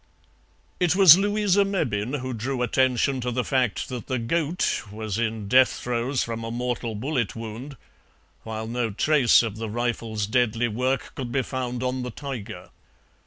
It was Louisa Mebbin who drew attention to the fact that the goat was in death throes from a mortal bullet wound, while no trace of the rifle's deadly work could be found on the tiger.